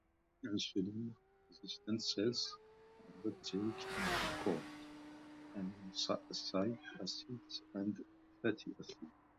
Insulin resistant cells cannot take in glucose, amino acids and fatty acids.